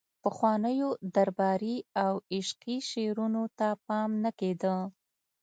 پخوانیو درباري او عشقي شعرونو ته پام نه کیده